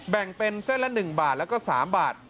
แบ่งเป็นเส้นละ๑บาทแล้วก็๓บาท